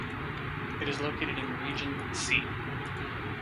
It is located in Region C.